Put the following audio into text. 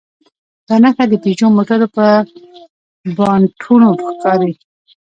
دا نښه د پيژو موټرو پر بانټونو ښکاري.